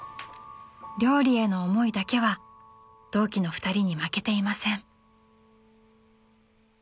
［料理への思いだけは同期の２人に負けていません］